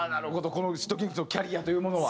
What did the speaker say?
このｓ＊＊ｔｋｉｎｇｚのキャリアというものは。